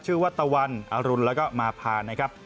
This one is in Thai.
วัตตะวันอรุณแล้วก็มาพานะครับ